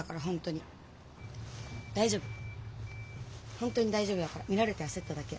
本当に大丈夫だから見られて焦っただけ。